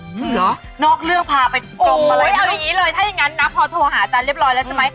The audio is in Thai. เหรอนอกเรื่องพาไปกรมอะไรไม่เอาอย่างงี้เลยถ้าอย่างงั้นนะพอโทรหาอาจารย์เรียบร้อยแล้วใช่ไหม